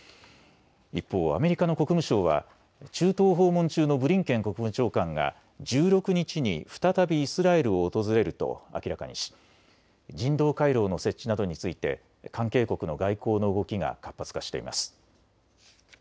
一方、アメリカの国務省は中東を訪問中のブリンケン国務長官が１６日に再びイスラエルを訪れると明らかにし人道回廊の設置などについて関係国の外交の動きが活発化しています。